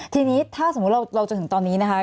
ทีนี้ถ้าสมมุติเราจนถึงตอนนี้นะคะ